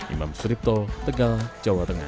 imam suripto tegal jawa tengah